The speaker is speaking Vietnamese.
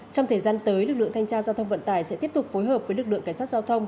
trong thời gian tới lực lượng thanh tra giao thông vận tải sẽ tiếp tục phối hợp với lực lượng cảnh sát giao thông